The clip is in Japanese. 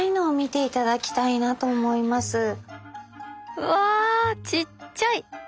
うわちっちゃい！